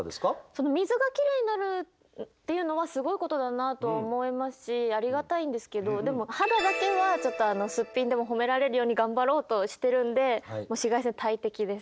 その水がきれいになるっていうのはすごいことだなと思いますしありがたいんですけどでも肌だけはちょっとすっぴんでも褒められるように頑張ろうとしてるんでもう紫外線は大敵です。